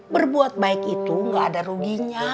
berbuat baik itu gak ada ruginya